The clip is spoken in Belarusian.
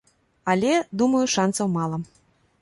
Але, думаю, шанцаў мала.